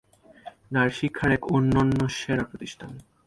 নারী শিক্ষার এক অন্যন্য সেরা প্রতিষ্ঠান।